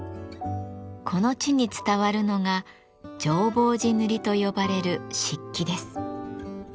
この地に伝わるのが浄法寺塗と呼ばれる漆器です。